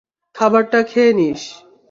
খাবারটা খেয়ে নিস।